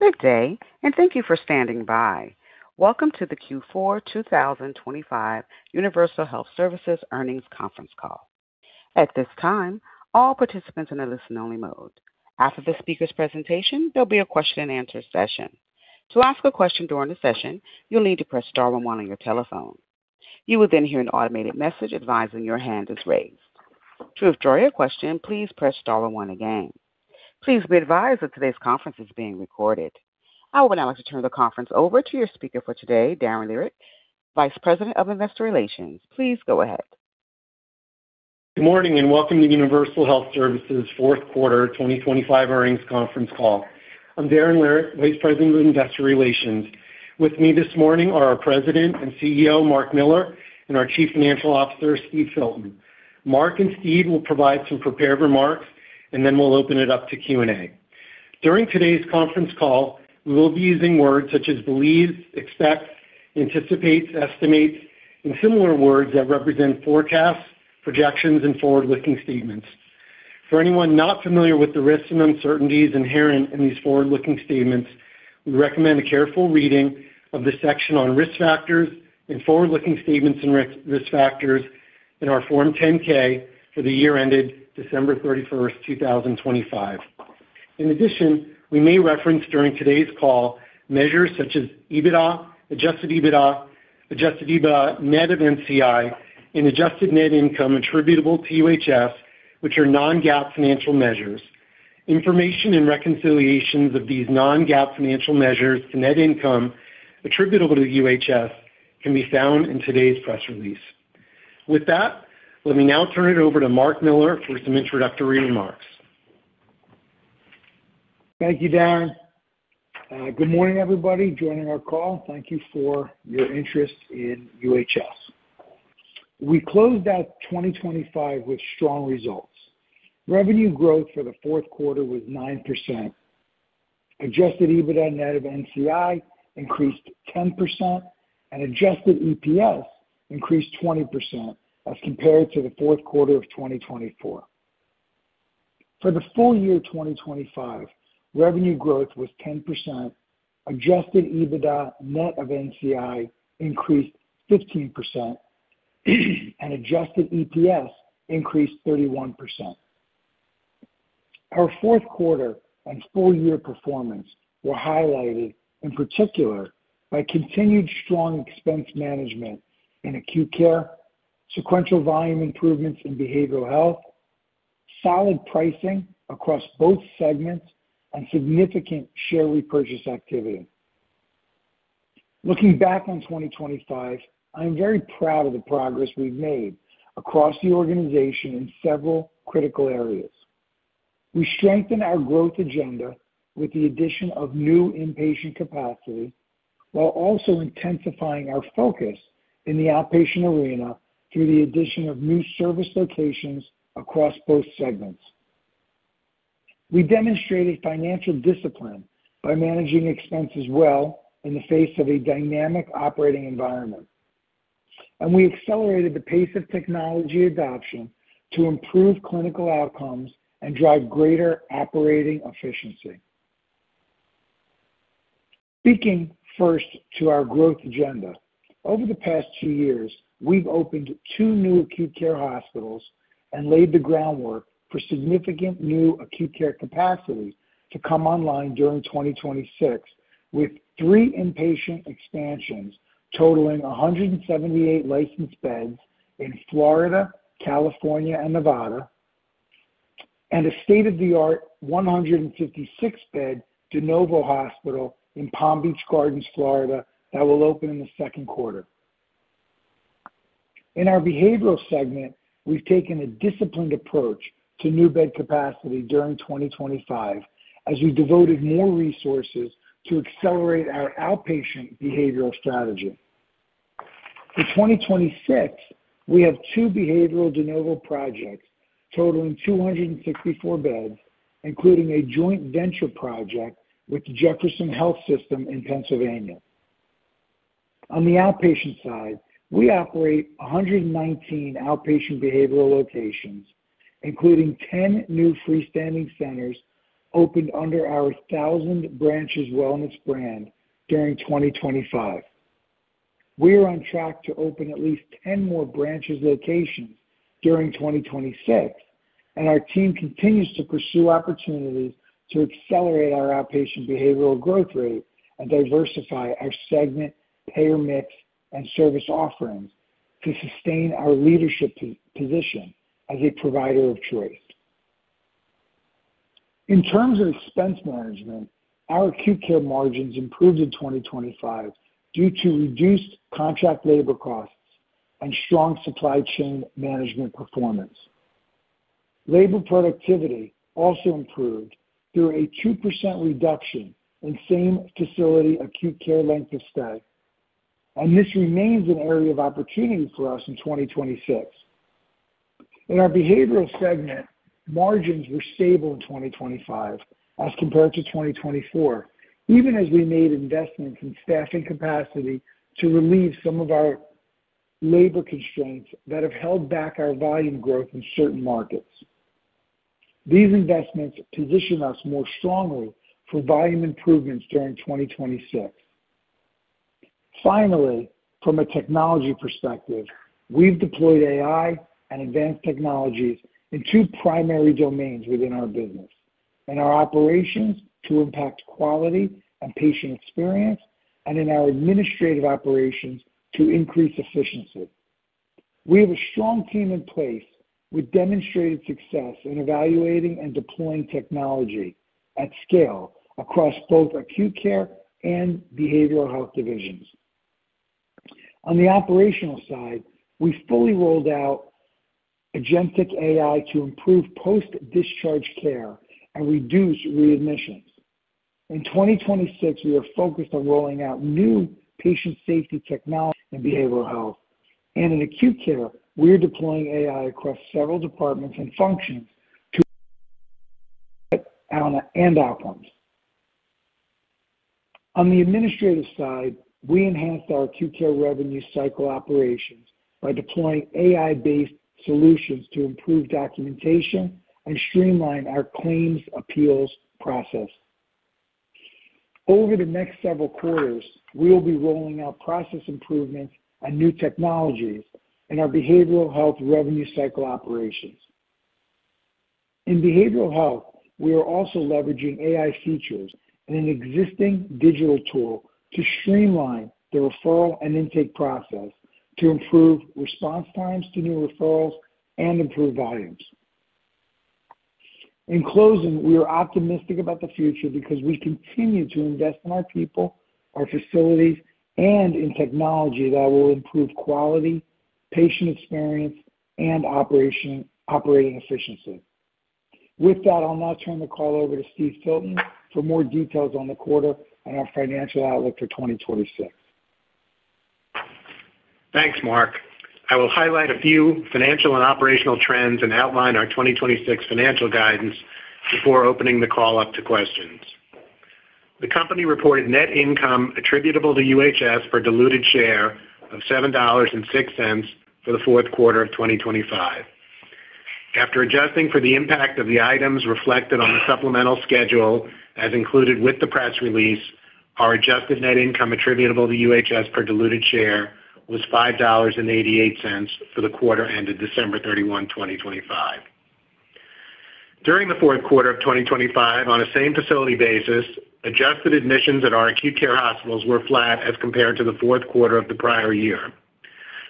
Good day. Thank you for standing by. Welcome to the Q4 2025 Universal Health Services Earnings Conference Call. At this time, all participants are in a listen-only mode. After the speaker's presentation, there'll be a question-and-answer session. To ask a question during the session, you'll need to press star one on your telephone. You will hear an automated message advising your hand is raised. To withdraw your question, please press star and one again. Please be advised that today's conference is being recorded. I would now like to turn the conference over to your speaker for today, Darren Lehrich, Vice President of Investor Relations. Please go ahead. Good morning, and welcome to Universal Health Services' fourth quarter 2025 earnings conference call. I'm Darren Lehrich, Vice President of Investor Relations. With me this morning are our President and CEO, Marc Miller, and our Chief Financial Officer, Steve Filton. Marc and Steve will provide some prepared remarks, and then we'll open it up to Q&A. During today's conference call, we will be using words such as believe, expect, anticipate, estimate, and similar words that represent forecasts, projections, and forward-looking statements. For anyone not familiar with the risks and uncertainties inherent in these forward-looking statements, we recommend a careful reading of the section on risk factors and forward-looking statements and risk factors in our Form 10-K for the year ended December 31, 2025. In addition, we may reference during today's call measures such as EBITDA, adjusted EBITDA, adjusted EBITDA net of NCI, and adjusted net income attributable to UHS, which are non-GAAP financial measures. Information and reconciliations of these non-GAAP financial measures to net income attributable to UHS can be found in today's press release. With that, let me now turn it over to Marc Miller for some introductory remarks. Thank you, Darren. Good morning, everybody joining our call. Thank you for your interest in UHS. We closed out 2025 with strong results. Revenue growth for the fourth quarter was 9%. Adjusted EBITDA net of NCI increased 10%, and adjusted EPS increased 20% as compared to the fourth quarter of 2024. For the full year 2025, revenue growth was 10%, adjusted EBITDA net of NCI increased 15%, and adjusted EPS increased 31%. Our fourth quarter and full-year performance were highlighted in particular by continued strong expense management in acute care, sequential volume improvements in behavioral health, solid pricing across both segments, and significant share repurchase activity. Looking back on 2025, I am very proud of the progress we've made across the organization in several critical areas. We strengthened our growth agenda with the addition of new inpatient capacity, while also intensifying our focus in the outpatient arena through the addition of new service locations across both segments. We demonstrated financial discipline by managing expenses well in the face of a dynamic operating environment, and we accelerated the pace of technology adoption to improve clinical outcomes and drive greater operating efficiency. Speaking first to our growth agenda, over the past 2 years, we've opened 2 new acute care hospitals and laid the groundwork for significant new acute care capacity to come online during 2026, with 3 inpatient expansions totaling 178 licensed beds in Florida, California, and Nevada, and a state-of-the-art 156-bed de novo hospital in Palm Beach Gardens, Florida, that will open in the second quarter. In our behavioral segment, we've taken a disciplined approach to new bed capacity during 2025, as we devoted more resources to accelerate our outpatient behavioral strategy. For 2026, we have two behavioral de novo projects totaling 264 beds, including a joint venture project with Jefferson Health in Pennsylvania. On the outpatient side, we operate 119 outpatient behavioral locations, including 10 new freestanding centers opened under our Thousand Branches brand during 2025. We are on track to open at least 10 more Branches locations during 2026, and our team continues to pursue opportunities to accelerate our outpatient behavioral growth rate and diversify our segment, payer mix, and service offerings to sustain our leadership position as a provider of choice. In terms of expense management, our acute care margins improved in 2025 due to reduced contract labor costs and strong supply chain management performance. Labor productivity also improved through a 2% reduction in same-facility acute care length of stay. This remains an area of opportunity for us in 2026. In our behavioral segment, margins were stable in 2025 as compared to 2024, even as we made investments in staffing capacity to relieve some of our labor constraints that have held back our volume growth in certain markets. These investments position us more strongly for volume improvements during 2026. From a technology perspective, we've deployed AI and advanced technologies in 2 primary domains within our business: in our operations to impact quality and patient experience, and in our administrative operations to increase efficiency. We have a strong team in place with demonstrated success in evaluating and deploying technology at scale across both acute care and behavioral health divisions. On the operational side, we fully rolled out agentic AI to improve post-discharge care and reduce readmissions. In 2026, we are focused on rolling out new patient safety technology in behavioral health. In acute care, we are deploying AI across several departments and functions to and outcomes. On the administrative side, we enhanced our acute care revenue cycle operations by deploying AI-based solutions to improve documentation and streamline our claims appeals process. Over the next several quarters, we will be rolling out process improvements and new technologies in our behavioral health revenue cycle operations. In behavioral health, we are also leveraging AI features in an existing digital tool to streamline the referral and intake process, to improve response times to new referrals and improve volumes. In closing, we are optimistic about the future because we continue to invest in our people, our facilities, and in technology that will improve quality, patient experience, and operating efficiency. I'll now turn the call over to Steve Filton for more details on the quarter and our financial outlook for 2026. Thanks, Marc. I will highlight a few financial and operational trends and outline our 2026 financial guidance before opening the call up to questions. The company reported net income attributable to UHS per diluted share of $7.06 for the fourth quarter of 2025. After adjusting for the impact of the items reflected on the supplemental schedule, as included with the press release, our adjusted net income attributable to UHS per diluted share was $5.88 for the quarter ended December 31, 2025. During the fourth quarter of 2025, on a same-facility basis, adjusted admissions at our acute care hospitals were flat as compared to the fourth quarter of the prior year.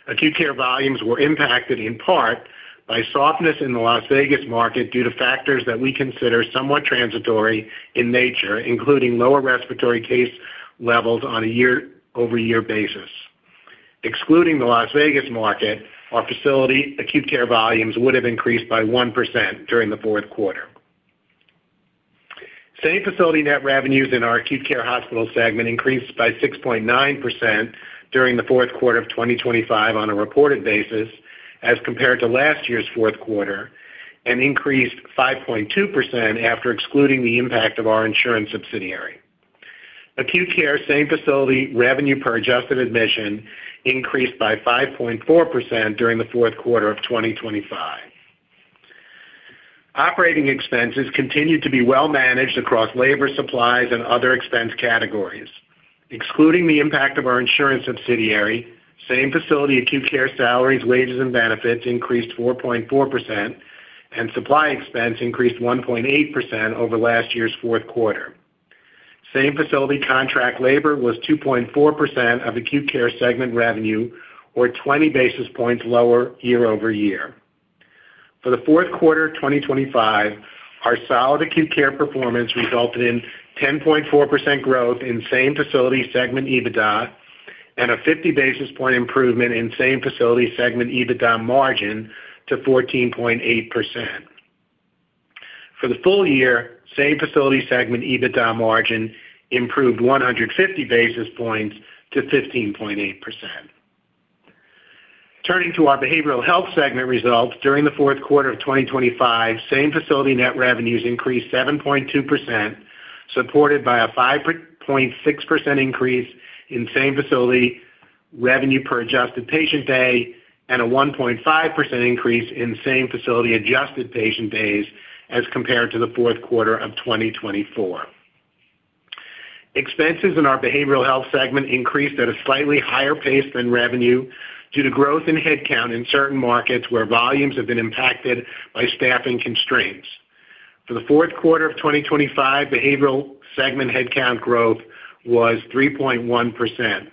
Acute care volumes were impacted in part by softness in the Las Vegas market due to factors that we consider somewhat transitory in nature, including lower respiratory case levels on a year-over-year basis. Excluding the Las Vegas market, our facility acute care volumes would have increased by 1% during the fourth quarter. Same-facility net revenues in our acute care hospital segment increased by 6.9% during the fourth quarter of 2025 on a reported basis, as compared to last year's fourth quarter, and increased 5.2% after excluding the impact of our insurance subsidiary. Acute care same-facility revenue per adjusted admission increased by 5.4% during the fourth quarter of 2025. Operating expenses continued to be well managed across labor, supplies, and other expense categories. Excluding the impact of our insurance subsidiary, same-facility acute care salaries, wages, and benefits increased 4.4%, and supply expense increased 1.8% over last year's fourth quarter. Same-facility contract labor was 2.4% of acute care segment revenue, or 20 basis points lower year-over-year. For the fourth quarter of 2025, our solid acute care performance resulted in 10.4% growth in same-facility segment EBITDA and a 50 basis point improvement in same-facility segment EBITDA margin to 14.8%. For the full year, same-facility segment EBITDA margin improved 150 basis points to 15.8%. Turning to our behavioral health segment results, during the fourth quarter of 2025, same-facility net revenues increased 7.2%, supported by a 5.6% increase in same-facility revenue per adjusted patient day and a 1.5% increase in same-facility adjusted patient days as compared to the fourth quarter of 2024. Expenses in our behavioral health segment increased at a slightly higher pace than revenue due to growth in headcount in certain markets where volumes have been impacted by staffing constraints. For the fourth quarter of 2025, behavioral segment headcount growth was 3.1%.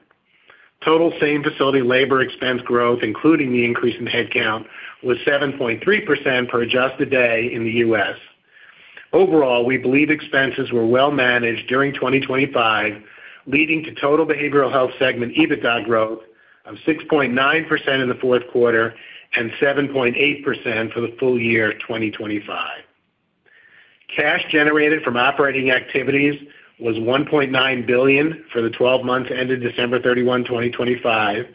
Total same-facility labor expense growth, including the increase in headcount, was 7.3% per adjusted day in the U.S. Overall, we believe expenses were well managed during 2025, leading to total behavioral health segment EBITDA growth of 6.9% in the fourth quarter and 7.8% for the full year of 2025. Cash generated from operating activities was $1.9 billion for the 12 months ended December 31, 2025,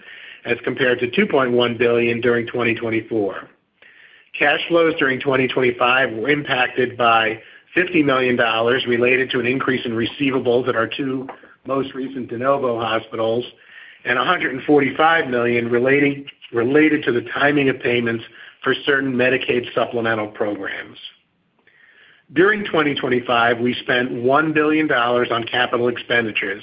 as compared to $2.1 billion during 2024. Cash flows during 2025 were impacted by $50 million related to an increase in receivables at our two most recent de novo hospitals and $145 million related to the timing of payments for certain Medicaid supplemental programs. During 2025, we spent $1 billion on capital expenditures,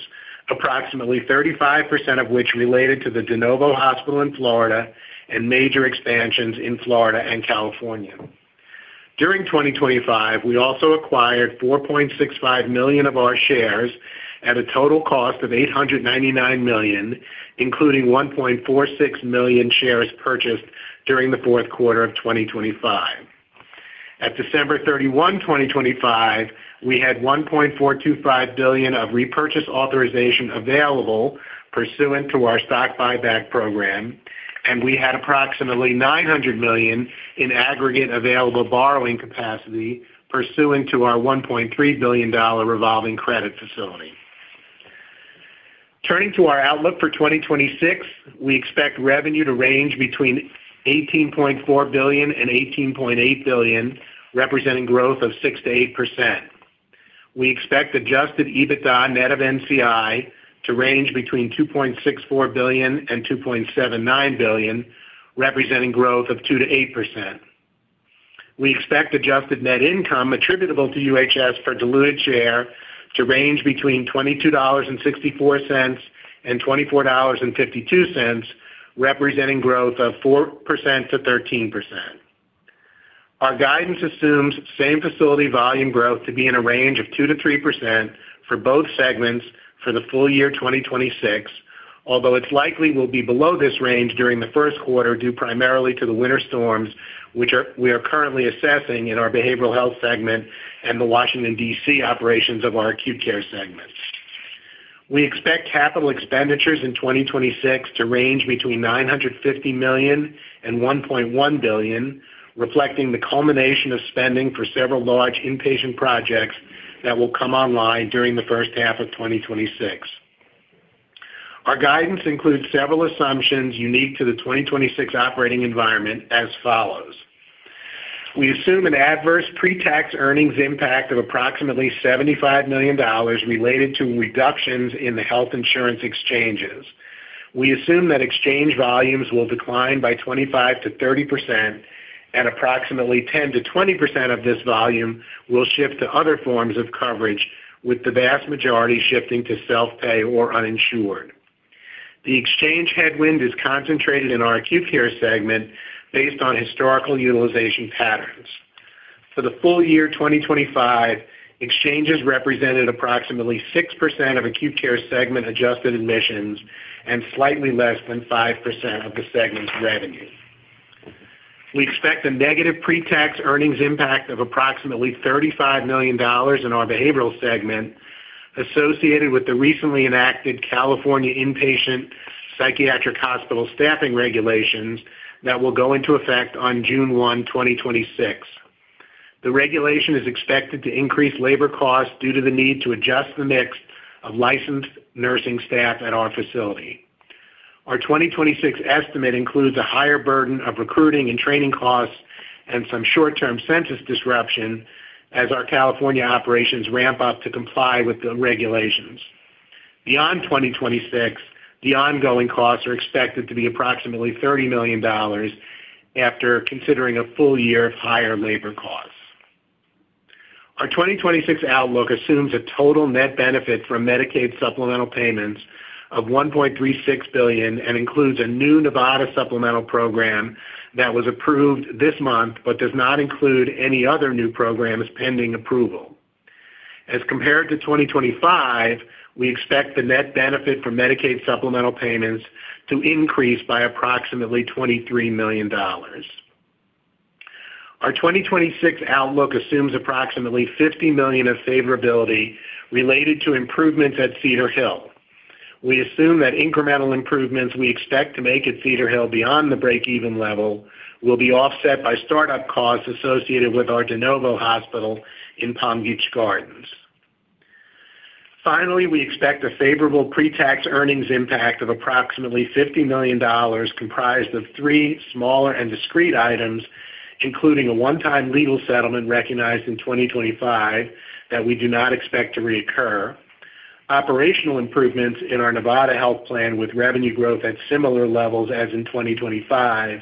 approximately 35% of which related to the de novo hospital in Florida and major expansions in Florida and California. During 2025, we also acquired 4.65 million of our shares at a total cost of $899 million, including 1.46 million shares purchased during the fourth quarter of 2025. At December 31, 2025, we had $1.425 billion of repurchase authorization available pursuant to our stock buyback program, and we had approximately $900 million in aggregate available borrowing capacity pursuant to our $1.3 billion revolving credit facility. Turning to our outlook for 2026, we expect revenue to range between $18.4 billion-$18.8 billion, representing growth of 6%-8%. We expect adjusted EBITDA net of NCI to range between $2.64 billion-$2.79 billion, representing growth of 2%-8%. We expect adjusted net income attributable to UHS per diluted share to range between $22.64 and $24.52, representing growth of 4%-13%. Our guidance assumes same facility volume growth to be in a range of 2%-3% for both segments for the full year 2026, although it's likely we'll be below this range during the first quarter, due primarily to the winter storms, which we are currently assessing in our behavioral health segment and the Washington, D.C., operations of our acute care segment. We expect capital expenditures in 2026 to range between $950 million and $1.1 billion, reflecting the culmination of spending for several large inpatient projects that will come online during the first half of 2026. Our guidance includes several assumptions unique to the 2026 operating environment as follows: We assume an adverse pre-tax earnings impact of approximately $75 million related to reductions in the health insurance exchanges. We assume that exchange volumes will decline by 25%-30%, and approximately 10%-20% of this volume will shift to other forms of coverage, with the vast majority shifting to self-pay or uninsured. The exchange headwind is concentrated in our acute care segment based on historical utilization patterns. For the full year 2025, exchanges represented approximately 6% of acute care segment adjusted admissions and slightly less than 5% of the segment's revenue. We expect a negative pre-tax earnings impact of approximately $35 million in our behavioral segment, associated with the recently enacted California Acute Psychiatric Hospital Staffing Regulations that will go into effect on June 1, 2026. The regulation is expected to increase labor costs due to the need to adjust the mix of licensed nursing staff at our facility. Our 2026 estimate includes a higher burden of recruiting and training costs and some short-term census disruption as our California operations ramp up to comply with the regulations. Beyond 2026, the ongoing costs are expected to be approximately $30 million after considering a full year of higher labor costs. Our 2026 outlook assumes a total net benefit from Medicaid supplemental payments of $1.36 billion and includes a new Nevada supplemental program that was approved this month, but does not include any other new programs pending approval. As compared to 2025, we expect the net benefit from Medicaid supplemental payments to increase by approximately $23 million. Our 2026 outlook assumes approximately $50 million of favorability related to improvements at Cedar Hill. We assume that incremental improvements we expect to make at Cedar Hill beyond the break-even level will be offset by startup costs associated with our de novo hospital in Palm Beach Gardens. We expect a favorable pre-tax earnings impact of approximately $50 million, comprised of three smaller and discrete items, including a one-time legal settlement recognized in 2025 that we do not expect to reoccur. Operational improvements in our Nevada health plan, with revenue growth at similar levels as in 2025,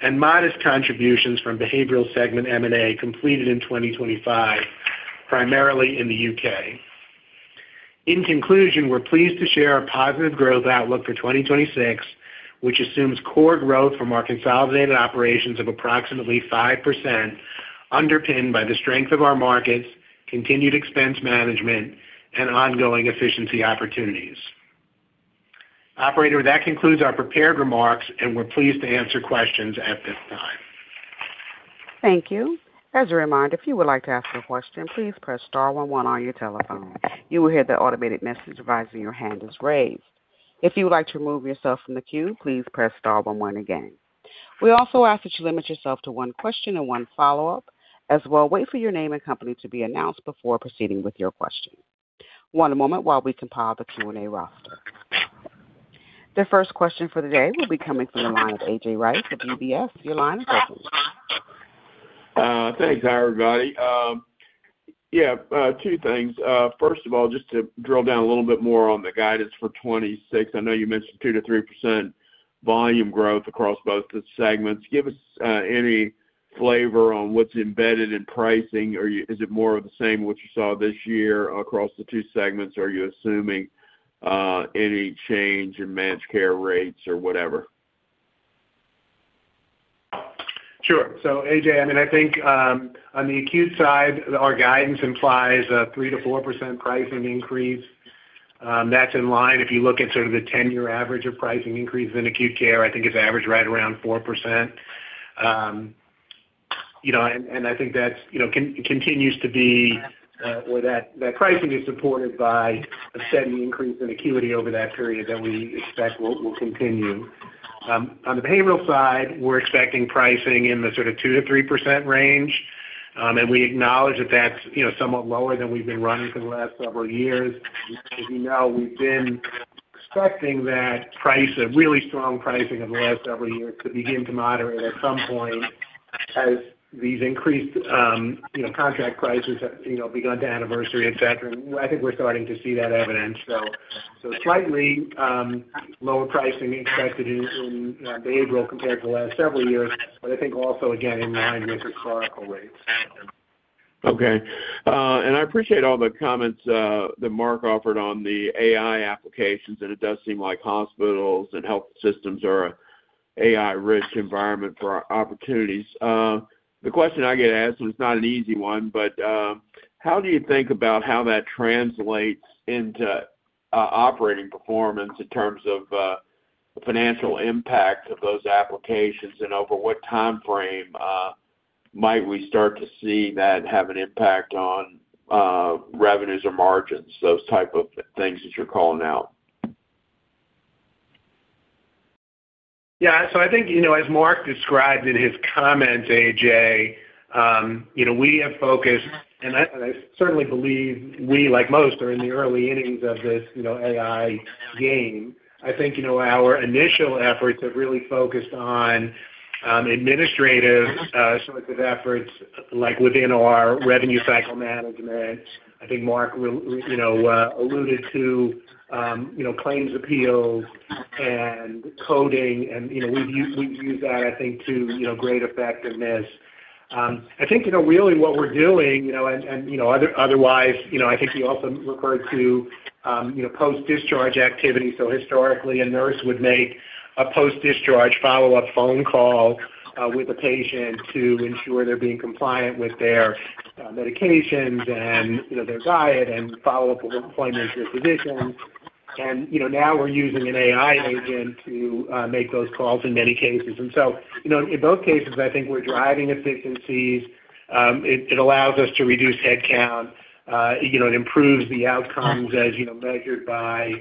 and modest contributions from behavioral segment M&A completed in 2025, primarily in the U.K. In conclusion, we're pleased to share our positive growth outlook for 2026, which assumes core growth from our consolidated operations of approximately 5%, underpinned by the strength of our markets, continued expense management, and ongoing efficiency opportunities. Operator, that concludes our prepared remarks, and we're pleased to answer questions at this time. Thank you. As a reminder, if you would like to ask a question, please press star one one on your telephone. You will hear the automated message advising your hand is raised. If you would like to remove yourself from the queue, please press star one one again. We also ask that you limit yourself to one question and one follow-up, as well wait for your name and company to be announced before proceeding with your question. One moment while we compile the Q&A roster. The first question for the day will be coming from the line of A.J. Rice with UBS. Your line is open. Thanks, everybody. Yeah, two things. First of all, just to drill down a little bit more on the guidance for 2026, I know you mentioned 2%-3% volume growth across both the segments. Give us any flavor on what's embedded in pricing, or is it more of the same, what you saw this year across the two segments? Are you assuming any change in managed care rates or whatever? Sure. AJ, I mean, I think, on the acute side, our guidance implies a 3%-4% pricing increase. That's in line. If you look at sort of the 10-year average of pricing increases in acute care, I think it's averaged right around 4%. You know, I think that's, you know, continues to be, or that pricing is supported by a steady increase in acuity over that period that we expect will continue. On the behavioral side, we're expecting pricing in the sort of 2%-3% range, and we acknowledge that that's, you know, somewhat lower than we've been running for the last several years. As you know, we've been expecting that price, a really strong pricing over the last several years, to begin to moderate at some point as these increased, you know, contract prices have, you know, begun to anniversary, et cetera. I think we're starting to see that evidence. Slightly lower pricing expected in behavioral compared to the last several years, but I think also again, in line with historical rates. Okay. I appreciate all the comments that Marc Miller offered on the AI applications, and it does seem like hospitals and health systems are a AI-rich environment for opportunities. The question I get asked, and it's not an easy one, but how do you think about how that translates into operating performance in terms of financial impact of those applications? Over what timeframe might we start to see that have an impact on revenues or margins, those type of things that you're calling out? Yeah. I think, you know, as Marc described in his comments, A.J., you know, we have focused, and I certainly believe we, like most, are in the early innings of this, you know, AI game. I think, you know, our initial efforts have really focused on administrative sorts of efforts, like within our revenue cycle management. I think Marc, you know, alluded to, you know, claims appeals and coding, and, you know, we've used that, I think, to, you know, great effectiveness. I think, you know, really what we're doing, you know, and, you know, otherwise, you know, I think you also referred to, you know, post-discharge activity. Historically, a nurse would make a post-discharge follow-up phone call with a patient to ensure they're being compliant with their medications and, you know, their diet and follow-up appointments with physicians. You know, now we're using an AI agent to make those calls in many cases. You know, in both cases, I think we're driving efficiencies. It allows us to reduce headcount. You know, it improves the outcomes as, you know, measured by,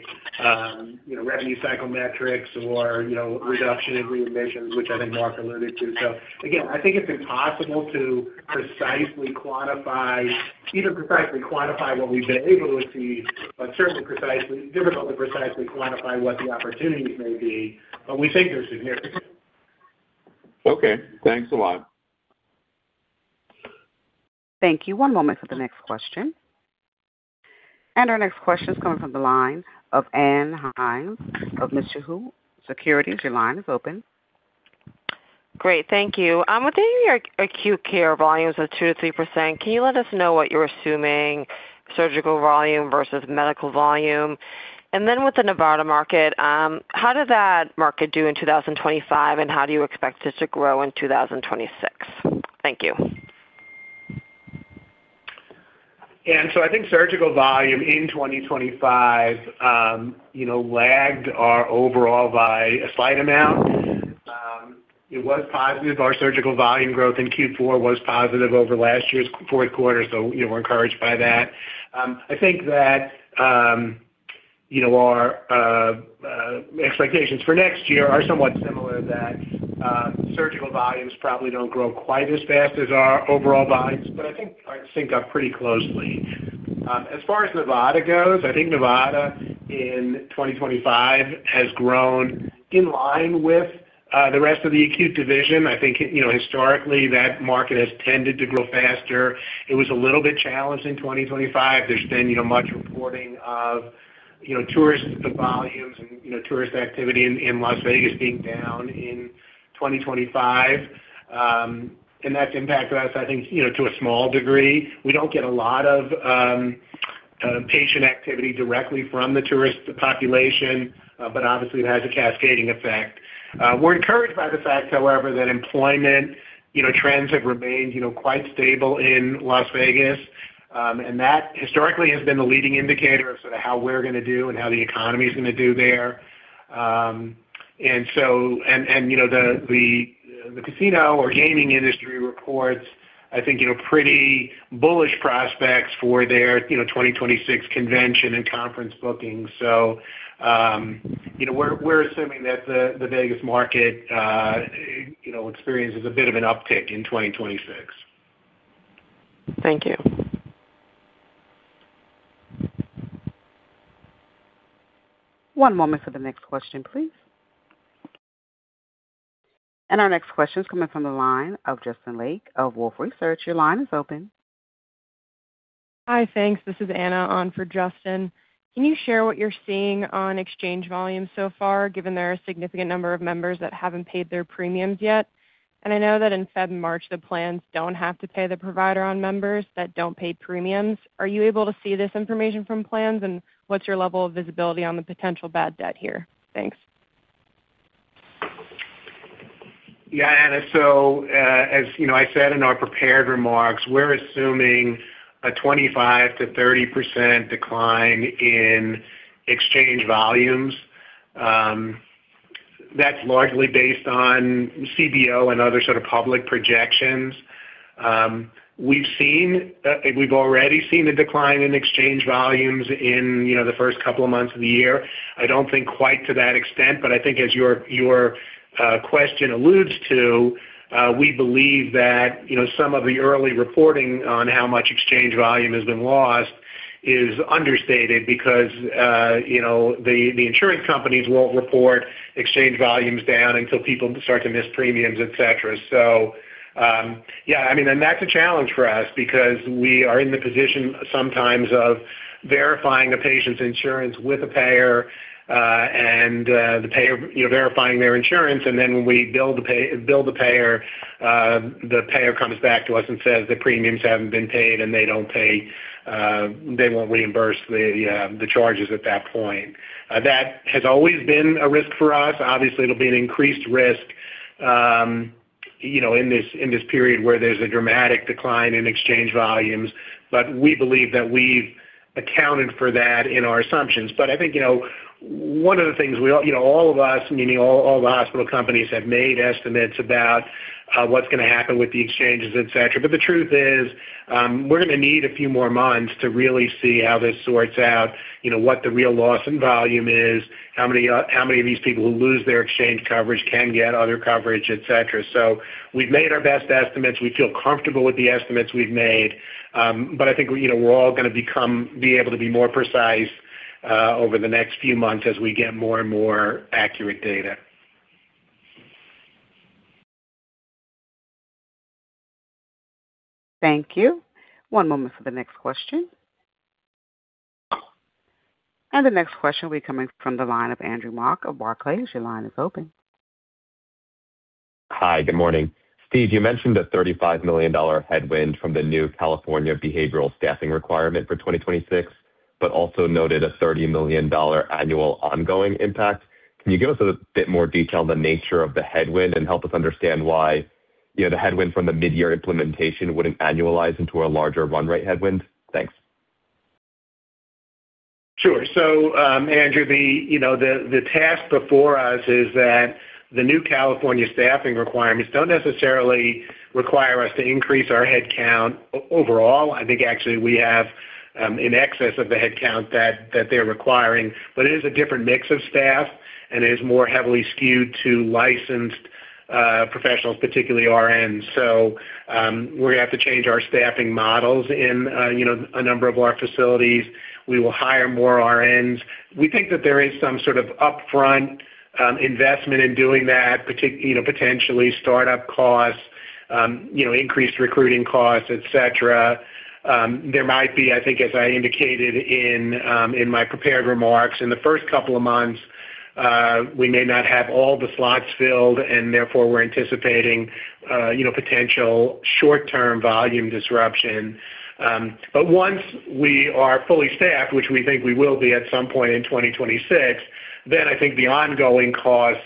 you know, revenue cycle metrics or, you know, reduction in readmissions, which I think Marc Miller alluded to. Again, I think it's impossible to precisely quantify, even precisely quantify what we've been able to see, but certainly precisely, difficult to precisely quantify what the opportunities may be, but we think they're significant. Okay, thanks a lot. Thank you. One moment for the next question. Our next question is coming from the line of Ann Hynes of Mizuho Securities. Your line is open. Great, thank you. With your acute care volumes of 2%-3%, can you let us know what you're assuming surgical volume versus medical volume? With the Nevada market, how did that market do in 2025, and how do you expect it to grow in 2026? Thank you. I think surgical volume in 2025, you know, lagged our overall by a slight amount. It was positive. Our surgical volume growth in Q4 was positive over last year's fourth quarter, so, you know, we're encouraged by that. I think that, you know, our expectations for next year are somewhat similar, that surgical volumes probably don't grow quite as fast as our overall volumes, but I think ours sync up pretty closely. As far as Nevada goes, I think Nevada in 2025 has grown in line with the rest of the acute division. I think, you know, historically, that market has tended to grow faster. It was a little bit challenged in 2025. There's been, you know, much reporting of, you know, tourist volumes and, you know, tourist activity in Las Vegas being down in 2025. That's impacted us, I think, you know, to a small degree. We don't get a lot of patient activity directly from the tourist population, obviously it has a cascading effect. We're encouraged by the fact, however, that employment, you know, trends have remained, you know, quite stable in Las Vegas, that historically has been the leading indicator of sort of how we're gonna do and how the economy is gonna do there. You know, the casino or gaming industry reports, I think, you know, pretty bullish prospects for their, you know, 2026 convention and conference bookings. You know, we're assuming that the Vegas market, you know, experiences a bit of an uptick in 2026. Thank you. One moment for the next question, please. Our next question is coming from the line of Justin Lake of Wolfe Research. Your line is open. Hi, thanks. This is Anna on for Justin. Can you share what you're seeing on exchange volume so far, given there are a significant number of members that haven't paid their premiums yet? I know that in February and March, the plans don't have to pay the provider on members that don't pay premiums. Are you able to see this information from plans, and what's your level of visibility on the potential bad debt here? Thanks. Yeah, Anna. As you know, I said in our prepared remarks, we're assuming a 25% to 30% decline in exchange volumes. That's largely based on CBO and other sort of public projections. We've seen, we've already seen a decline in exchange volumes in, you know, the first couple of months of the year. I don't think quite to that extent, but I think as your question alludes to, we believe that, you know, some of the early reporting on how much exchange volume has been lost is understated because, you know, the insurance companies won't report exchange volumes down until people start to miss premiums, et cetera. Yeah, I mean, that's a challenge for us because we are in the position sometimes of verifying a patient's insurance with a payer. The payer, you know, verifying their insurance, then when we bill the payer, the payer comes back to us and says the premiums haven't been paid. They don't pay, they won't reimburse the charges at that point. That has always been a risk for us. Obviously, it'll be an increased risk, you know, in this, in this period where there's a dramatic decline in exchange volumes. We believe that we've accounted for that in our assumptions. I think, you know, one of the things we all, you know, all of us, meaning all the hospital companies, have made estimates about what's gonna happen with the exchanges, et cetera. The truth is, we're gonna need a few more months to really see how this sorts out, you know, what the real loss in volume is, how many of these people who lose their exchange coverage can get other coverage, et cetera. We've made our best estimates. We feel comfortable with the estimates we've made, but I think, you know, we're all gonna be able to be more precise over the next few months as we get more and more accurate data. Thank you. One moment for the next question. The next question will be coming from the line of Andrew Mok of Barclays. Your line is open. Hi, good morning. Steve, you mentioned a $35 million headwind from the new California behavioral staffing requirement for 2026, but also noted a $30 million annual ongoing impact. Can you give us a bit more detail on the nature of the headwind and help us understand why, you know, the headwind from the mid-year implementation wouldn't annualize into a larger run rate headwind? Thanks. Sure. Andrew, you know, the task before us is that the new California staffing requirements don't necessarily require us to increase our headcount. Overall, I think actually we have in excess of the headcount that they're requiring, but it is a different mix of staff, and it is more heavily skewed to licensed professionals, particularly RNs. We're gonna have to change our staffing models in, you know, a number of our facilities. We will hire more RNs. We think that there is some sort of upfront investment in doing that, you know, potentially startup costs, you know, increased recruiting costs, et cetera. There might be, I think, as I indicated in my prepared remarks, in the first couple of months, we may not have all the slots filled, and therefore, we're anticipating, you know, potential short-term volume disruption. Once we are fully staffed, which we think we will be at some point in 2026, then I think the ongoing costs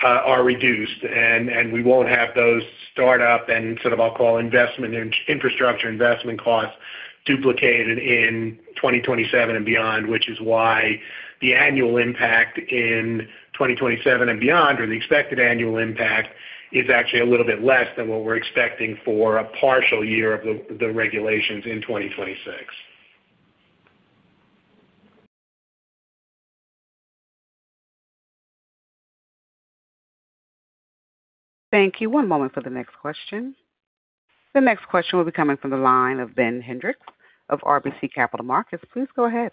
are reduced, and we won't have those start up and sort of I'll call investment, infrastructure investment costs duplicated in 2027 and beyond, which is why the annual impact in 2027 and beyond, or the expected annual impact, is actually a little bit less than what we're expecting for a partial year of the regulations in 2026. Thank you. One moment for the next question. The next question will be coming from the line of Ben Hendrix of RBC Capital Markets. Please go ahead.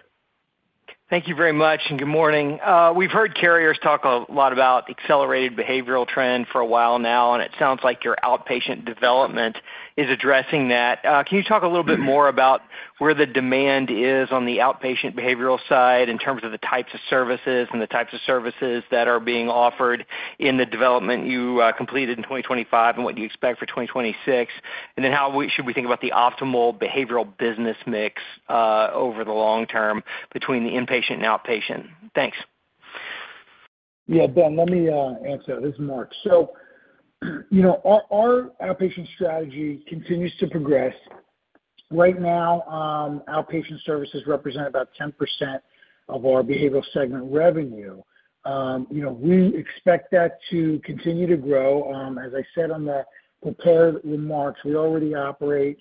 Thank you very much. Good morning. We've heard carriers talk a lot about accelerated behavioral trend for a while now. It sounds like your outpatient development is addressing that. Can you talk a little bit more about where the demand is on the outpatient behavioral side in terms of the types of services and the types of services that are being offered in the development you completed in 2025? What do you expect for 2026? How should we think about the optimal behavioral business mix over the long term between the inpatient and outpatient? Thanks. Yeah, Ben, let me answer that. This is Marc. You know, our outpatient strategy continues to progress. Right now, outpatient services represent about 10% of our behavioral segment revenue. You know, we expect that to continue to grow. As I said on the prepared remarks, we already operate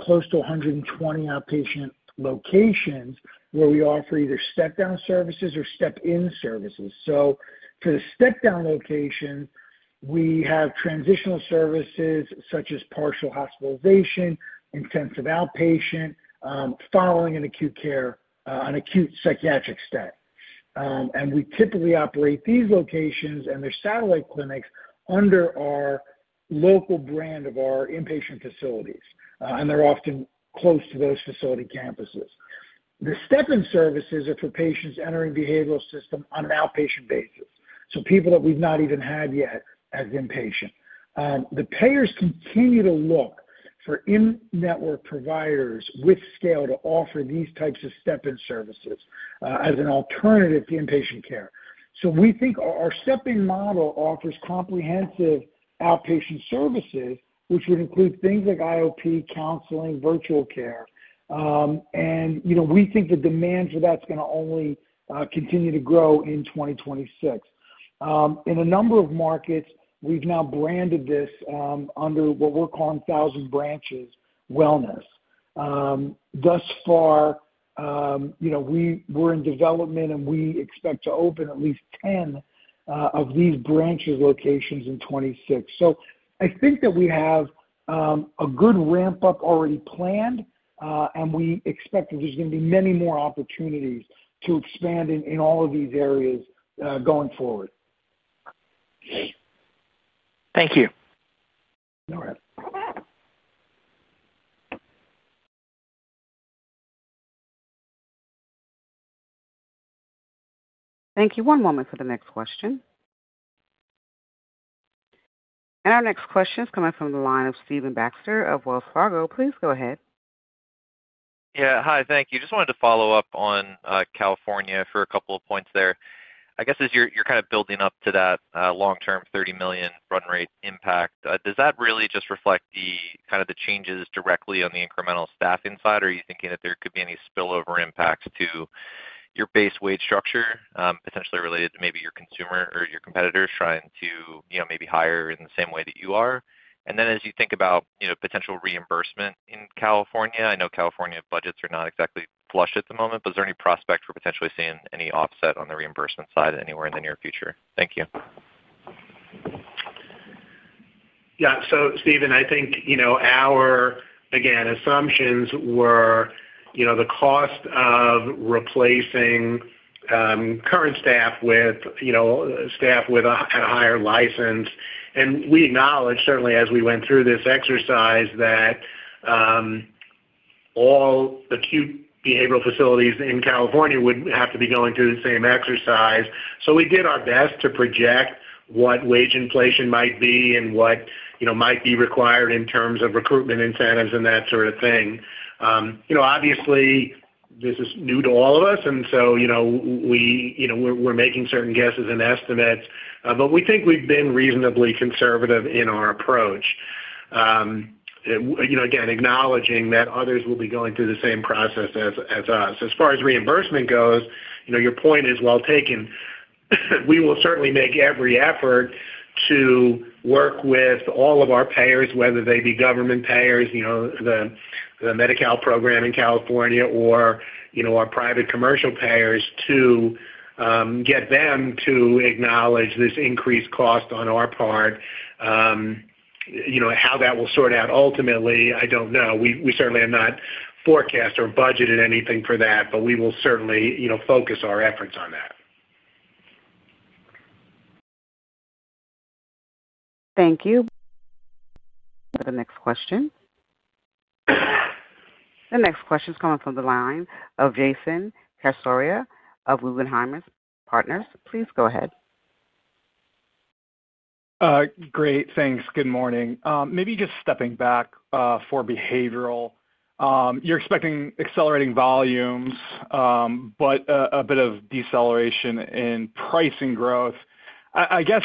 close to 120 outpatient locations, where we offer either step-down services or step-in services. For the step-down location. We have transitional services such as partial hospitalization, intensive outpatient, following an acute care, an acute psychiatric stay. We typically operate these locations and their satellite clinics under our local brand of our inpatient facilities, and they're often close to those facility campuses. The step-in services are for patients entering behavioral system on an outpatient basis, people that we've not even had yet as inpatient. The payers continue to look for in-network providers with scale to offer these types of step-in services as an alternative to inpatient care. We think our step-in model offers comprehensive outpatient services, which would include things like IOP, counseling, virtual care. You know, we think the demand for that's going to only continue to grow in 2026. In a number of markets, we've now branded this under what we're calling Thousand Branches Wellness. Thus far, you know, we're in development, and we expect to open at least 10 of these Branches locations in 2026. I think that we have a good ramp-up already planned, and we expect that there's going to be many more opportunities to expand in all of these areas going forward. Thank you. All right. Thank you. One moment for the next question. Our next question is coming from the line of Stephen Baxter of Wells Fargo. Please go ahead. Yeah. Hi, thank you. Just wanted to follow up on California for a couple of points there. I guess, as you're kind of building up to that long-term $30 million run rate impact, does that really just reflect the kind of the changes directly on the incremental staffing side? Or are you thinking that there could be any spillover impacts to your base wage structure, potentially related to maybe your consumer or your competitors trying to, you know, maybe hire in the same way that you are? As you think about, you know, potential reimbursement in California, I know California budgets are not exactly flush at the moment, but is there any prospect for potentially seeing any offset on the reimbursement side anywhere in the near future? Thank you. Steven, I think, you know, our again, assumptions were the cost of replacing current staff with staff at a higher license. We acknowledge, certainly as we went through this exercise, that all acute behavioral facilities in California would have to be going through the same exercise. We did our best to project what wage inflation might be and what might be required in terms of recruitment incentives and that sort of thing. Obviously, this is new to all of us, and so we're making certain guesses and estimates, but we think we've been reasonably conservative in our approach. Again, acknowledging that others will be going through the same process as us. As far as reimbursement goes, you know, your point is well taken. We will certainly make every effort to work with all of our payers, whether they be government payers, you know, the Medi-Cal program in California or, you know, our private commercial payers to get them to acknowledge this increased cost on our part. You know, how that will sort out ultimately, I don't know. We certainly have not forecast or budgeted anything for that, but we will certainly, you know, focus our efforts on that. Thank you. The next question is coming from the line of Jason Cassorla of Guggenheim Partners. Please go ahead. Great. Thanks. Good morning. Maybe just stepping back, for behavioral. You're expecting accelerating volumes, but a bit of deceleration in pricing growth. I guess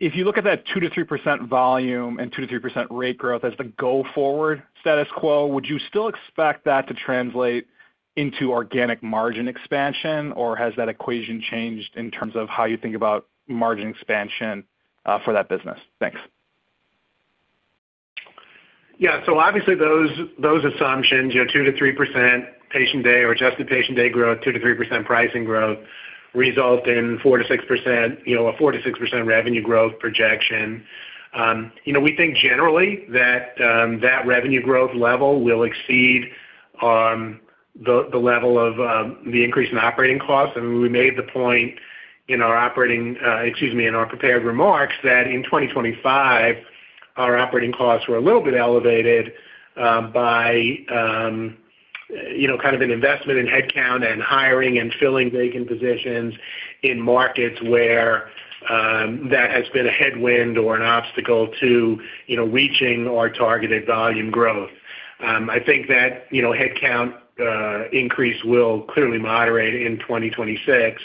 if you look at that 2%-3% volume and 2%-3% rate growth as the go-forward status quo, would you still expect that to translate into organic margin expansion, or has that equation changed in terms of how you think about margin expansion, for that business? Thanks. Obviously, those assumptions, 2%-3% patient day or adjusted patient day growth, 2%-3% pricing growth, result in 4%-6%, a 4%-6% revenue growth projection. We think generally that revenue growth level will exceed the level of the increase in operating costs. We made the point in our operating, excuse me, in our prepared remarks, that in 2025, our operating costs were a little bit elevated by kind of an investment in headcount and hiring and filling vacant positions in markets where that has been a headwind or an obstacle to reaching our targeted volume growth. I think that, you know, headcount increase will clearly moderate in 2026,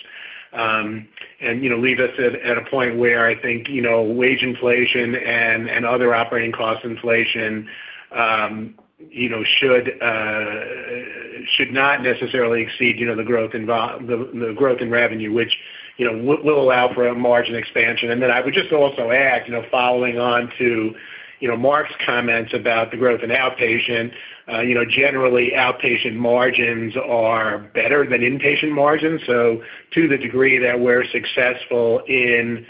and, you know, leave us at a point where I think, you know, wage inflation and other operating cost inflation, you know, should not necessarily exceed, you know, the growth in revenue, which, you know, will allow for a margin expansion. Then I would just also add, you know, following on to, you know, Marc's comments about the growth in outpatient, you know, generally, outpatient margins are better than inpatient margins. To the degree that we're successful in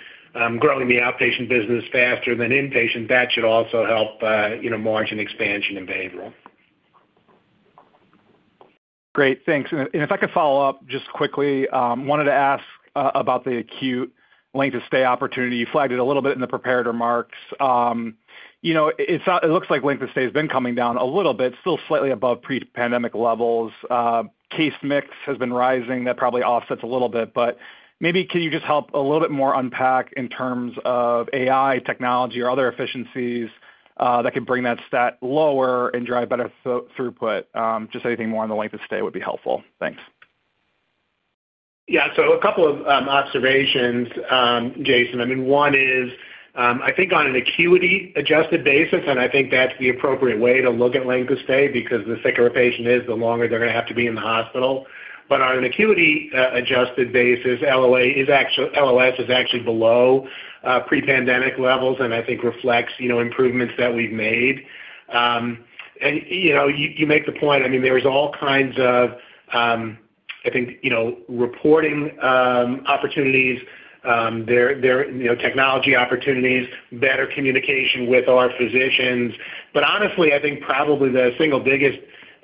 growing the outpatient business faster than inpatient, that should also help, you know, margin expansion in April. Great, thanks. If I could follow up just quickly, wanted to ask about the acute length of stay opportunity? You flagged it a little bit in the prepared remarks. You know, it looks like length of stay has been coming down a little bit, still slightly above pre-pandemic levels. Case mix has been rising. That probably offsets a little bit, but maybe can you just help a little bit more unpack in terms of AI technology or other efficiencies that could bring that stat lower and drive better throughput? Just anything more on the length of stay would be helpful. Thanks. Yeah. A couple of observations, Jason. I mean, one is, I think on an acuity-adjusted basis, and I think that's the appropriate way to look at length of stay, because the sicker a patient is, the longer they're going to have to be in the hospital. On an acuity adjusted basis, LOS is actually below pre-pandemic levels, and I think reflects, you know, improvements that we've made. You know, you make the point, I mean, there is all kinds of, I think, you know, reporting opportunities, there, you know, technology opportunities, better communication with our physicians. Honestly, I think probably the single biggest